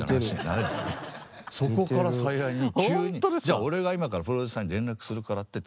じゃ俺が今からプロデューサーに連絡するからって。